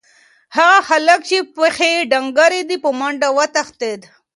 هغه هلک چې پښې یې ډنګرې دي، په منډه وتښتېد.